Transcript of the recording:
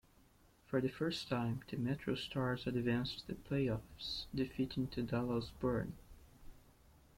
For the first time, the MetroStars advanced the playoffs, defeating the Dallas Burn.